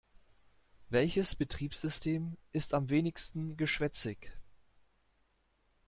Welches Betriebssystem ist am wenigsten geschwätzig?